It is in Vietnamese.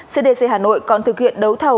cdc hà nội còn thực hiện đấu thầu